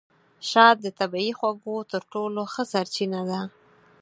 شات د طبیعي خوږو تر ټولو ښه سرچینه ده.